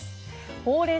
ほうれい